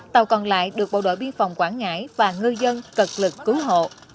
tàu còn lại được bộ đội biên phòng quảng ngãi và ngư dân cực lực cứu hộ